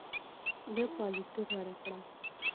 ده پالیسي غوره کړه.